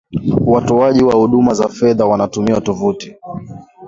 watoaji wa huduma za kifedha wanatumia tovuti